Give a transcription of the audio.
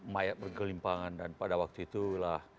mayat bergelimpangan dan pada waktu itulah